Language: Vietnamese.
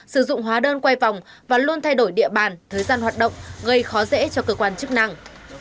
sử dụng hóa đơn quay vòng và luôn thay đổi địa bàn thời gian hoạt động gây khó dễ cho cơ quan chức năng